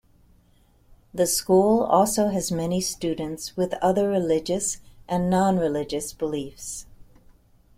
The school also has many students with other religious and non religious beliefs.